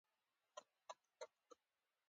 کمپیوټر ساینس د معلوماتي تکنالوژۍ یوه مهمه برخه ده.